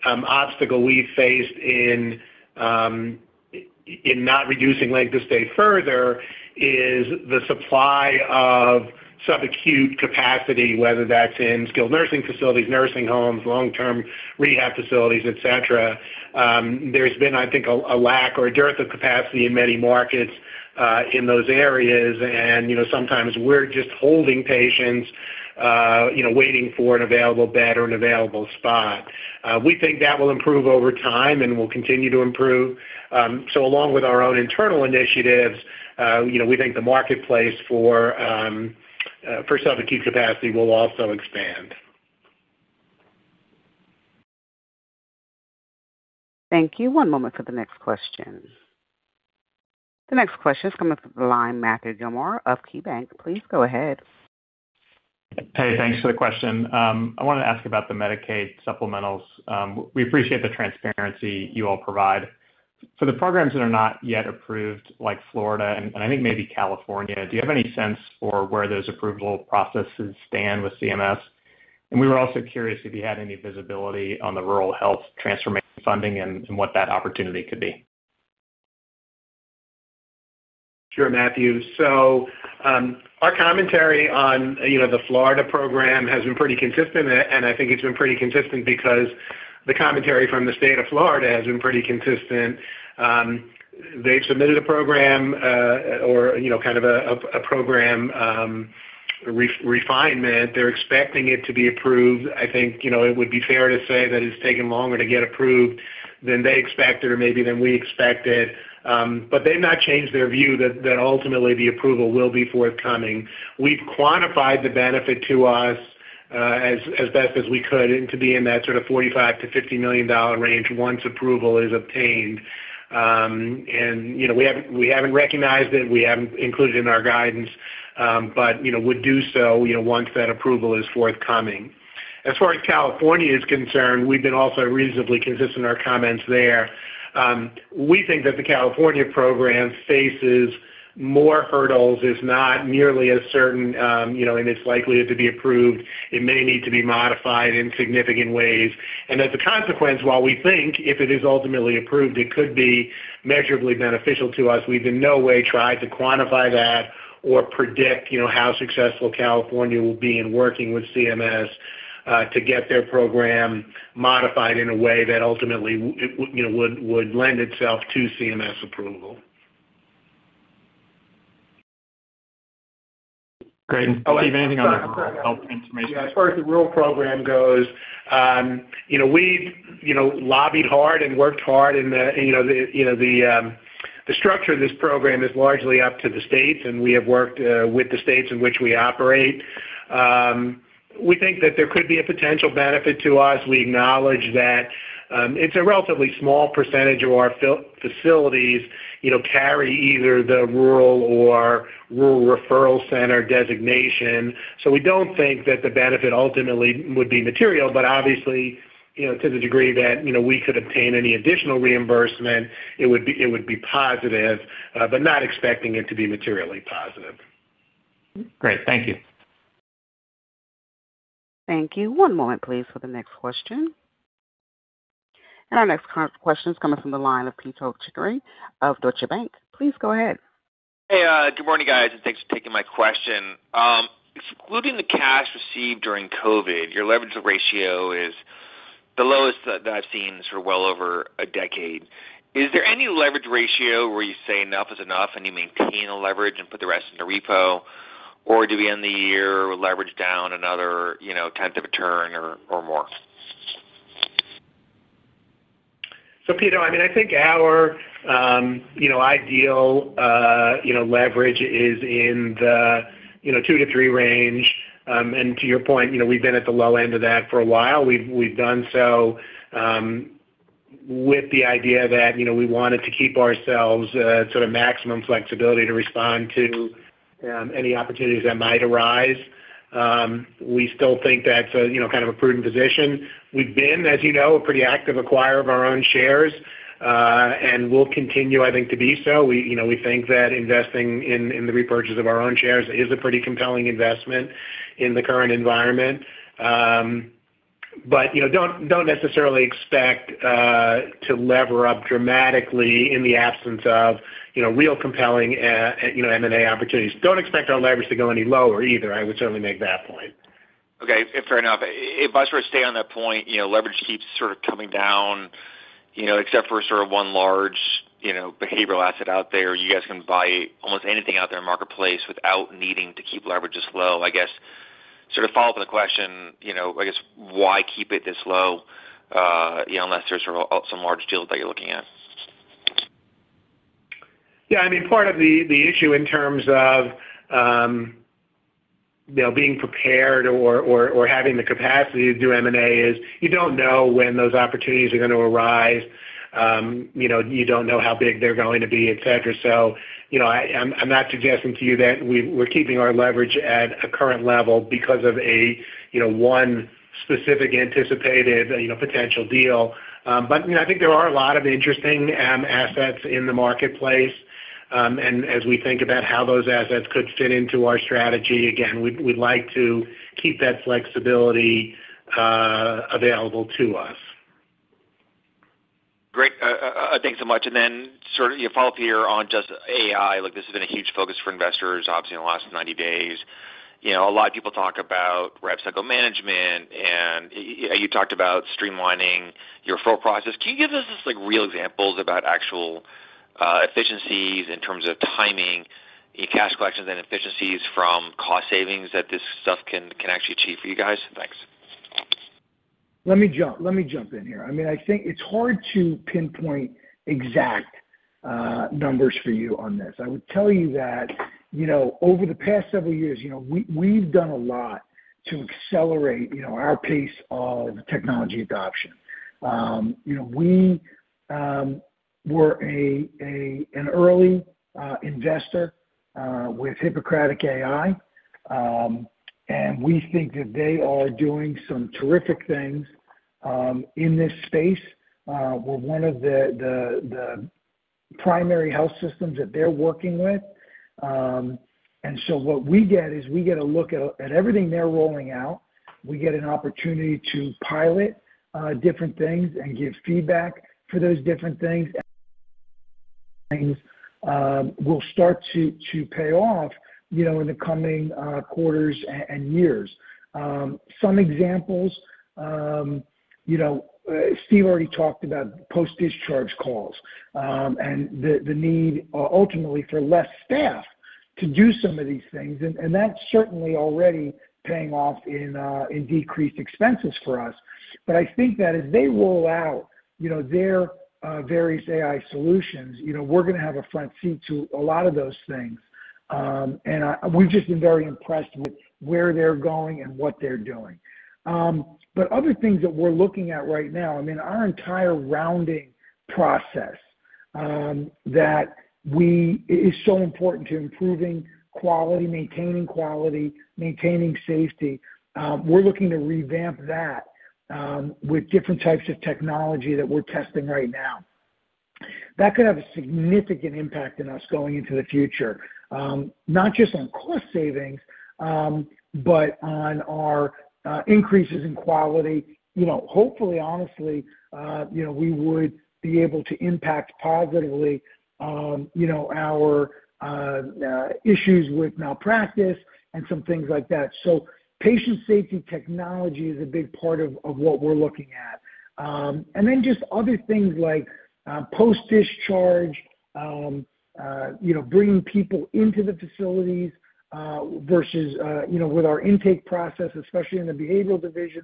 obstacle we faced in not reducing length of stay further is the supply of subacute capacity, whether that's in skilled nursing facilities, nursing homes, long-term rehab facilities, et cetera. There's been, I think, a lack or a dearth of capacity in many markets in those areas, and, you know, sometimes we're just holding patients, you know, waiting for an available bed or an available spot. We think that will improve over time and will continue to improve. Along with our own internal initiatives, you know, we think the marketplace for subacute capacity will also expand. Thank you. One moment for the next question. The next question is coming from the line, Matthew Gillmor of KeyBanc. Please go ahead. Hey, thanks for the question. I wanted to ask about the Medicaid supplementals. We appreciate the transparency you all provide. For the programs that are not yet approved, like Florida and I think maybe California, do you have any sense for where those approval processes stand with CMS? We were also curious if you had any visibility on the Rural Health Transformation funding and what that opportunity could be. Sure, Matthew. Our commentary on, you know, the Florida program has been pretty consistent, and I think it's been pretty consistent because the commentary from the state of Florida has been pretty consistent. They've submitted a program, or, you know, kind of a program refinement. They're expecting it to be approved. I think, you know, it would be fair to say that it's taken longer to get approved than they expected or maybe than we expected, but they've not changed their view that ultimately the approval will be forthcoming. We've quantified the benefit to us, as best as we could, and to be in that sort of $45 million-$50 million range once approval is obtained. You know, we haven't recognized it, we haven't included it in our guidance, but, you know, would do so, you know, once that approval is forthcoming. As far as California is concerned, we've been also reasonably consistent in our comments there. We think that the California program faces more hurdles, is not nearly as certain, you know, in its likelihood to be approved. It may need to be modified in significant ways. As a consequence, while we think if it is ultimately approved, it could be measurably beneficial to us, we've in no way tried to quantify that or predict, you know, how successful California will be in working with CMS to get their program modified in a way that ultimately, you know, would lend itself to CMS approval. Great. Oh, I'm sorry. Anything on the health information? As far as the rural program goes, you know, we've, you know, lobbied hard and worked hard, you know, the, you know, the structure of this program is largely up to the states, we have worked with the states in which we operate. We think that there could be a potential benefit to us. We acknowledge that it's a relatively small percentage of our facilities, you know, carry either the rural or Rural Referral Center designation. We don't think that the benefit ultimately would be material, but obviously, you know, to the degree that, you know, we could obtain any additional reimbursement, it would be positive, but not expecting it to be materially positive. Great. Thank you. Thank you. One moment, please, for the next question. Our next question is coming from the line of Pito Chickering of Deutsche Bank. Please go ahead. Hey, good morning, guys, and thanks for taking my question. Excluding the cash received during COVID, your leverage ratio is the lowest that I've seen for well over a decade. Is there any leverage ratio where you say enough is enough and you maintain a leverage and put the rest into repo? Do we end the year leverage down another, you know, tenth of a turn or more? Pito, I mean, I think our, you know, ideal, you know, leverage is in the, you know, 2 to 3 range. To your point, you know, we've been at the low end of that for a while. We've done so with the idea that, you know, we wanted to keep ourselves sort of maximum flexibility to respond to any opportunities that might arise. We still think that's a, you know, kind of a prudent position. We've been, as you know, a pretty active acquirer of our own shares, and we'll continue, I think, to be so. We, you know, we think that investing in the repurchase of our own shares is a pretty compelling investment in the current environment. You know, don't necessarily expect to lever up dramatically in the absence of, you know, real compelling, you know, M&A opportunities. Don't expect our leverage to go any lower either. I would certainly make that point. Okay, fair enough. If I were to stay on that point, you know, leverage keeps sort of coming down, you know, except for sort of one large, you know, behavioral asset out there. You guys can buy almost anything out there in marketplace without needing to keep leverage this low. I guess, sort of follow up with a question, you know, I guess, why keep it this low, you know, unless there's some large deals that you're looking at? Yeah, I mean, part of the issue in terms of, you know, being prepared or, or having the capacity to do M&A is you don't know when those opportunities are gonna arise. You know, you don't know how big they're going to be, et cetera. You know, I'm, I'm not suggesting to you that we're keeping our leverage at a current level because of a, you know, one specific anticipated, you know, potential deal. You know, I think there are a lot of interesting, assets in the marketplace. As we think about how those assets could fit into our strategy, again, we'd like to keep that flexibility, available to us. Great. Thanks so much. Sort of, yeah, follow up here on just AI. Look, this has been a huge focus for investors, obviously, in the last 90 days. You know, a lot of people talk about revenue cycle management, and you talked about streamlining your referral process. Can you give us just, like, real examples about actual efficiencies in terms of timing, cash collections, and efficiencies from cost savings that this stuff can actually achieve for you guys? Thanks. Let me jump in here. I mean, I think it's hard to pinpoint exact numbers for you on this. I would tell you that, you know, over the past several years, you know, we've done a lot to accelerate, you know, our pace of technology adoption. You know, we were an early investor with Hippocratic AI, and we think that they are doing some terrific things in this space with one of the primary health systems that they're working with. What we get is we get a look at everything they're rolling out. We get an opportunity to pilot different things and give feedback for those different things. We'll start to pay off, you know, in the coming quarters and years. Some examples, you know, Steve already talked about post-discharge calls, and the need ultimately for less staff to do some of these things, and that's certainly already paying off in decreased expenses for us. I think that as they roll out, you know, their various AI solutions, you know, we're gonna have a front seat to a lot of those things. We've just been very impressed with where they're going and what they're doing. Other things that we're looking at right now, I mean, our entire rounding process that is so important to improving quality, maintaining quality, maintaining safety. We're looking to revamp that with different types of technology that we're testing right now. That could have a significant impact in us going into the future, not just on cost savings, but on our increases in quality. You know, hopefully, honestly, you know, we would be able to impact positively, you know, our issues with malpractice and some things like that. Patient safety technology is a big part of what we're looking at. And then just other things like post-discharge, you know, bringing people into the facilities, versus, you know, with our intake process, especially in the behavioral division.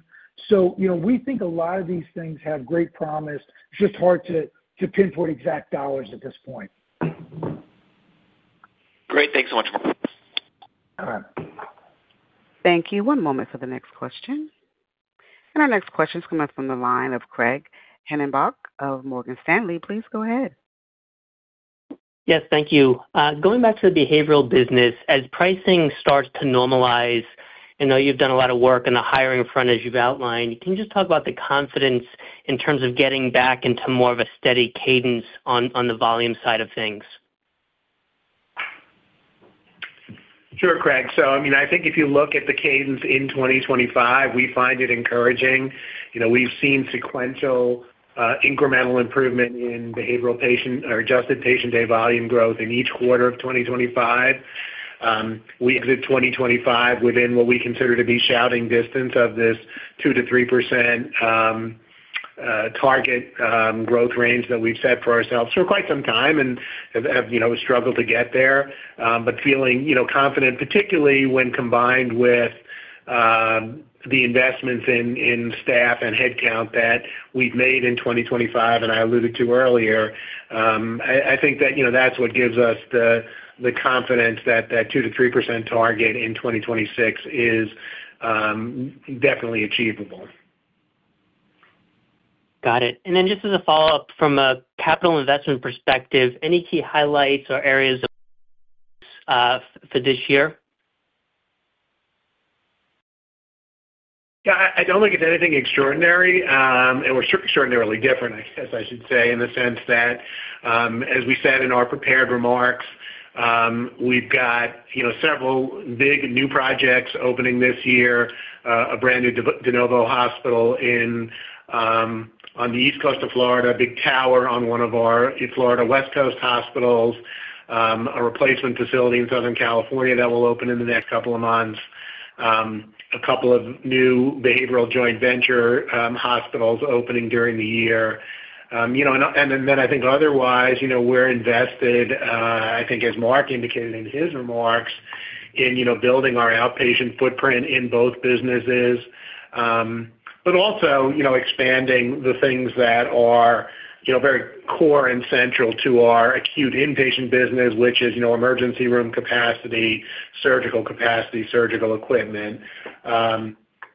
You know, we think a lot of these things have great promise. It's just hard to pinpoint exact dollars at this point. Great. Thanks so much. All right. Thank you. One moment for the next question. Our next question is coming from the line of Craig Hettenbach of Morgan Stanley. Please go ahead. Yes, thank you. Going back to the behavioral business, as pricing starts to normalize, I know you've done a lot of work on the hiring front, as you've outlined. Can you just talk about the confidence in terms of getting back into more of a steady cadence on the volume side of things? Sure, Craig. I mean, I think if you look at the cadence in 2025, we find it encouraging. You know, we've seen sequential, incremental improvement in behavioral patient or adjusted patient day volume growth in each quarter of 2025. We exit 2025 within what we consider to be shouting distance of this 2%-3% target growth range that we've set for ourselves for quite some time and have, you know, struggled to get there. But feeling, you know, confident, particularly when combined with the investments in staff and headcount that we've made in 2025, and I alluded to earlier. I think that, you know, that's what gives us the confidence that that 2%-3% target in 2026 is definitely achievable. ... Got it. Just as a follow-up, from a capital investment perspective, any key highlights or areas, for this year? Yeah, I don't think it's anything extraordinary. We're extraordinarily different, I guess I should say, in the sense that, as we said in our prepared remarks, we've got, you know, several big new projects opening this year. A brand new de novo hospital in on the east coast of Florida, a big tower on one of our Florida West Coast hospitals, a replacement facility in Southern California that will open in the next couple of months, a couple of new behavioral joint venture hospitals opening during the year. You know, then I think otherwise, you know, we're invested, I think as Marc indicated in his remarks, in, you know, building our outpatient footprint in both businesses. Also, you know, expanding the things that are, you know, very core and central to our acute inpatient business, which is, you know, emergency room capacity, surgical capacity, surgical equipment.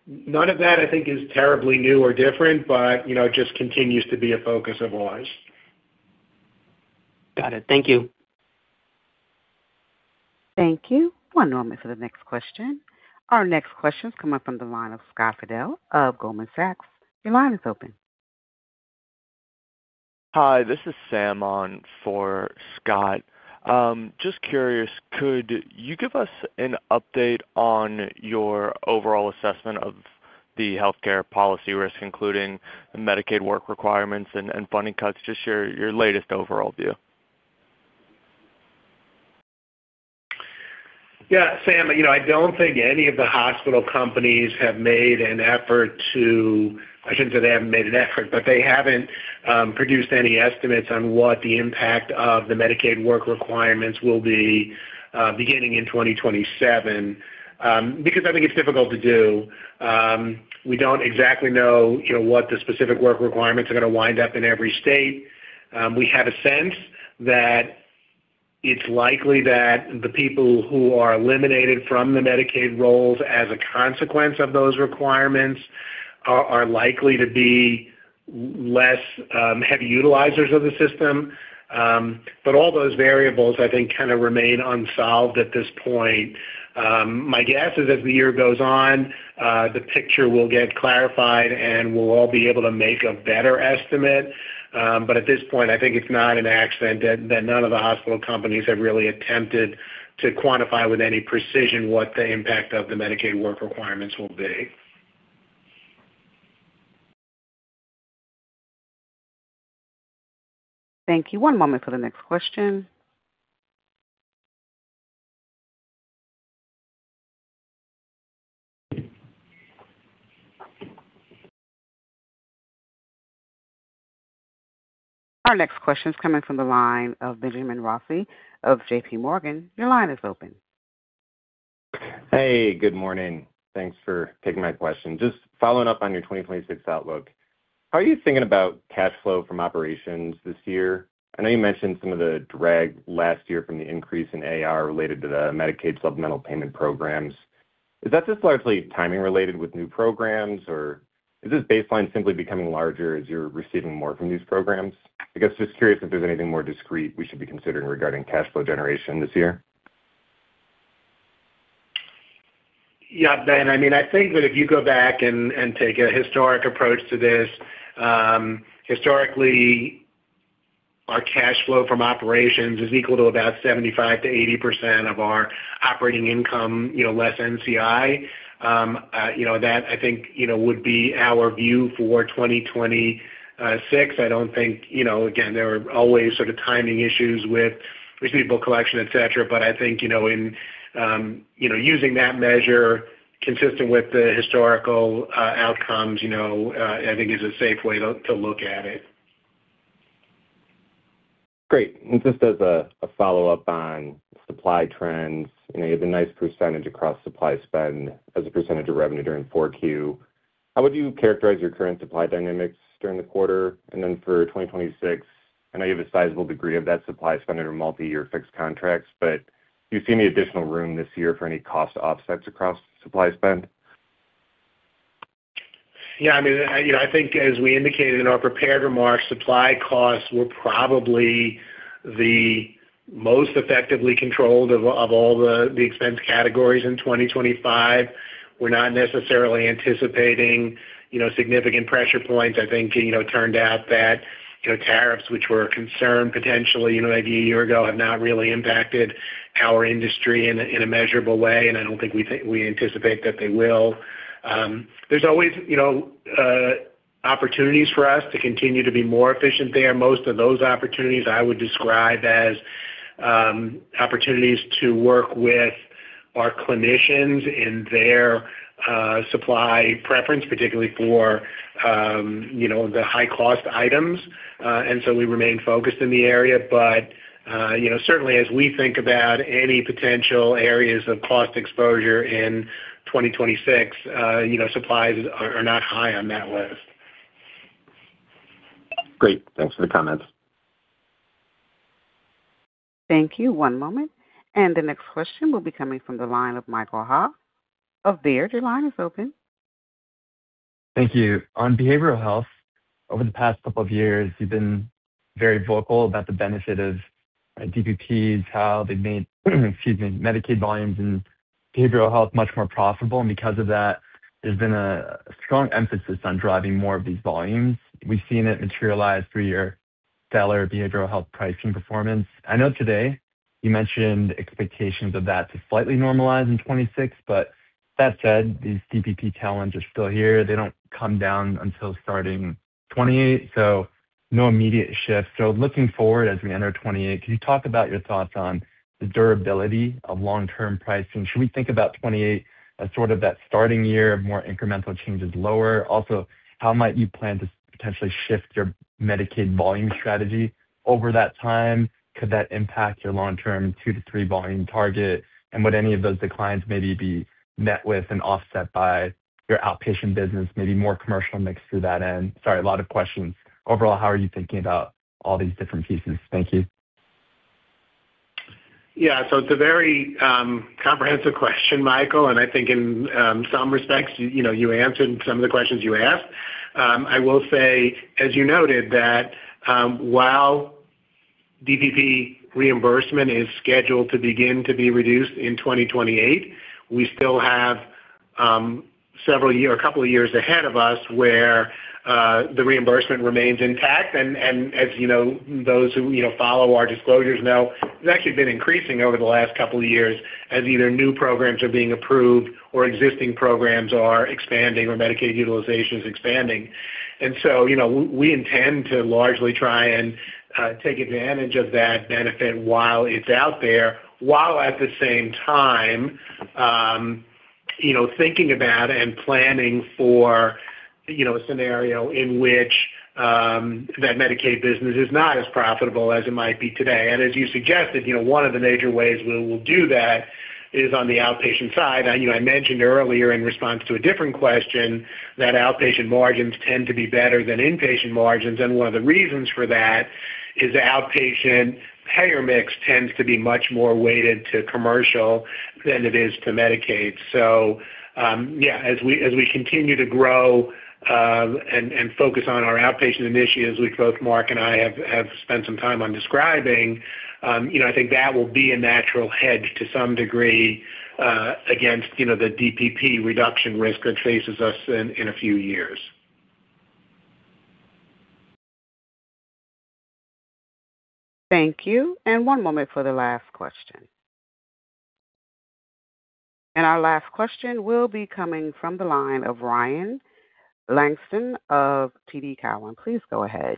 None of that, I think, is terribly new or different, you know, it just continues to be a focus of ours. Got it. Thank you. Thank you. One moment for the next question. Our next question is coming from the line of Scott Fidel of Goldman Sachs. Your line is open. Hi, this is Sam on for Scott. Just curious, could you give us an update on your overall assessment of the healthcare policy risk, including Medicaid work requirements and funding cuts? Just your latest overall view. Sam, you know, I don't think any of the hospital companies have made an effort, but they haven't produced any estimates on what the impact of the Medicaid work requirements will be beginning in 2027 because I think it's difficult to do. We don't exactly know, you know, what the specific work requirements are going to wind up in every state. We have a sense that it's likely that the people who are eliminated from the Medicaid rolls as a consequence of those requirements are likely to be less heavy utilizers of the system. All those variables, I think, kind of remain unsolved at this point. My guess is as the year goes on, the picture will get clarified, and we'll all be able to make a better estimate. At this point, I think it's not an accident that none of the hospital companies have really attempted to quantify with any precision what the impact of the Medicaid work requirements will be. Thank you. One moment for the next question. Our next question is coming from the line of Benjamin Rossi of J.P. Morgan. Your line is open. Hey, good morning. Thanks for taking my question. Just following up on your 2026 outlook, how are you thinking about cash flow from operations this year? I know you mentioned some of the drag last year from the increase in AR related to the Medicaid supplemental payment programs. Is that just largely timing related with new programs, or is this baseline simply becoming larger as you're receiving more from these programs? I guess, just curious if there's anything more discrete we should be considering regarding cash flow generation this year. Yeah, Ben, I mean, I think that if you go back and take a historic approach to this, historically, our cash flow from operations is equal to about 75%-80% of our operating income, you know, less NCI. You know, that, I think, you know, would be our view for 2026. I don't think, you know, again, there are always sort of timing issues with receivable collection, et cetera, but I think, you know, in, you know, using that measure, consistent with the historical outcomes, you know, I think is a safe way to look at it. Great. Just as a follow-up on supply trends, you know, you have a nice percentage across supply spend as a percentage of revenue during Q4. How would you characterize your current supply dynamics during the quarter and then for 2026? I know you have a sizable degree of that supply spend under multiyear fixed contracts, but do you see any additional room this year for any cost offsets across supply spend? I mean, you know, I think as we indicated in our prepared remarks, supply costs were probably the most effectively controlled of all the expense categories in 2025. We're not necessarily anticipating, you know, significant pressure points. I think, you know, it turned out that, you know, tariffs, which were a concern potentially, you know, maybe a year ago, have not really impacted our industry in a, in a measurable way, and I don't think we anticipate that they will. There's always, you know, opportunities for us to continue to be more efficient there. Most of those opportunities I would describe as opportunities to work with our clinicians in their supply preference, particularly for, you know, the high-cost items, and so we remain focused in the area. You know, certainly as we think about any potential areas of cost exposure in 2026, you know, supplies are not high on that list. Great. Thanks for the comments. Thank you. One moment. The next question will be coming from the line of Michael Ha of Baird. Your line is open. Thank you. On behavioral health, over the past couple of years, you've been very vocal about the benefit of DPPs, how they've made, excuse me, Medicaid volumes and behavioral health much more profitable, and because of that, there's been a strong emphasis on driving more of these volumes. We've seen it materialize through your stellar behavioral health pricing performance. I know today you mentioned expectations of that to slightly normalize in 2026, but that said, these DPP payments are still here. They don't come down until starting 2028, so no immediate shift. Looking forward as we enter 2028, can you talk about your thoughts on the durability of long-term pricing? Should we think about 2028 as sort of that starting year of more incremental changes lower? How might you plan to potentially shift your Medicaid volume strategy over that time? Could that impact your long-term 2-3 volume target? Would any of those declines maybe be met with and offset by your outpatient business, maybe more commercial mix through that end? Sorry, a lot of questions. Overall, how are you thinking about all these different pieces? Thank you. It's a very comprehensive question, Michael, and I think in some respects, you know, you answered some of the questions you asked. I will say, as you noted, that while DPP reimbursement is scheduled to begin to be reduced in 2028, we still have several year, a couple of years ahead of us where the reimbursement remains intact. As you know, those who, you know, follow our disclosures know, it's actually been increasing over the last couple of years as either new programs are being approved or existing programs are expanding or Medicaid utilization is expanding. You know, we intend to largely try and take advantage of that benefit while it's out there, while at the same time, you know, thinking about and planning for, you know, a scenario in which that Medicaid business is not as profitable as it might be today. As you suggested, you know, one of the major ways we will do that is on the outpatient side. I know I mentioned earlier in response to a different question, that outpatient margins tend to be better than inpatient margins, and one of the reasons for that is the outpatient payer mix tends to be much more weighted to commercial than it is to Medicaid. Yeah, as we continue to grow and focus on our outpatient initiatives, which both Marc and I have spent some time on describing, you know, I think that will be a natural hedge to some degree against, you know, the DPP reduction risk that faces us in a few years. Thank you, one moment for the last question. Our last question will be coming from the line of Ryan Langston of TD Cowen. Please go ahead.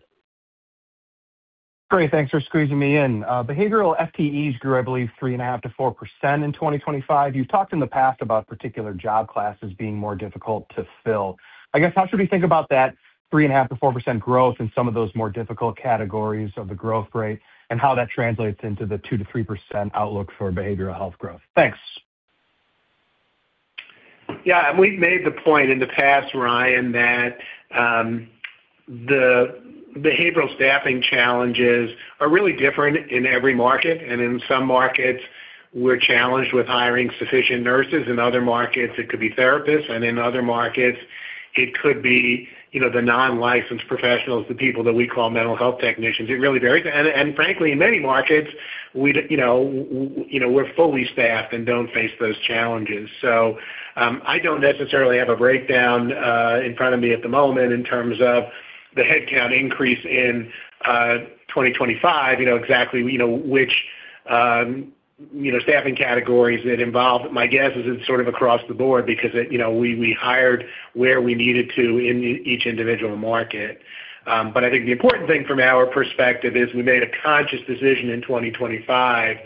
Great. Thanks for squeezing me in. behavioral FTEs grew, I believe, 3.5%-4% in 2025. You've talked in the past about particular job classes being more difficult to fill. I guess, how should we think about that 3.5%-4% growth in some of those more difficult categories of the growth rate and how that translates into the 2%-3% outlook for behavioral health growth? Thanks. Yeah, we've made the point in the past, Ryan Langdon, that the behavioral staffing challenges are really different in every market. In some markets we're challenged with hiring sufficient nurses. In other markets it could be therapists. In other markets it could be, you know, the non-licensed professionals, the people that we call mental health technicians. It really varies. Frankly, in many markets, we're fully staffed and don't face those challenges. I don't necessarily have a breakdown in front of me at the moment in terms of the headcount increase in 2025, you know, exactly, you know, which staffing categories it involved. My guess is it's sort of across the board because, you know, we hired where we needed to in each individual market. I think the important thing from our perspective is we made a conscious decision in 2025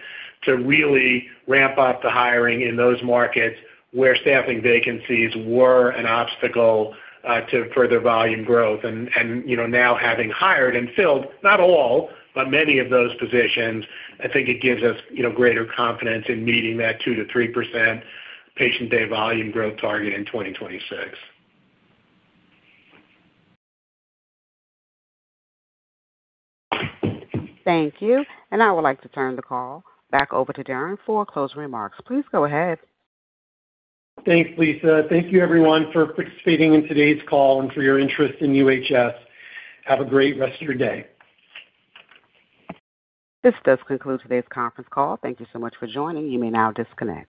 to really ramp up the hiring in those markets where staffing vacancies were an obstacle to further volume growth. You know, now having hired and filled, not all, but many of those positions, I think it gives us, you know, greater confidence in meeting that 2%-3% patient day volume growth target in 2026. Thank you. I would like to turn the call back over to Darren for closing remarks. Please go ahead. Thanks, Lisa. Thank you, everyone, for participating in today's call and for your interest in UHS. Have a great rest of your day. This does conclude today's conference call. Thank you so much for joining. You may now disconnect.